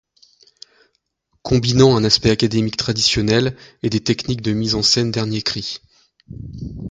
Combinant un aspect académique traditionnel et des techniques de mises en scène dernier cri.